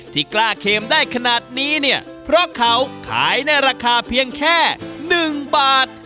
ที่กล้าเค็มได้ขนาดนี้เนี่ยเพราะเขาขายในราคาเพียงแค่๑บาท